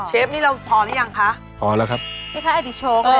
เชฟนี่เราพอหรือยังคะพอแล้วครับนี่แค่อดีตโชคเลย